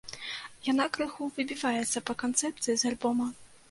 Яна крыху выбіваецца па канцэпцыі з альбома.